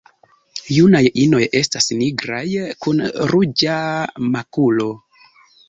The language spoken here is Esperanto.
Junaj inoj estas nigraj kun ruĝa makulo.